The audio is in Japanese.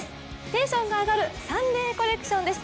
テンションが上がるサンデーコレクションです。